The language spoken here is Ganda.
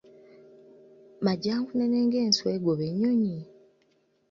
Majjankunene ng'enswa egoba ennyonyi?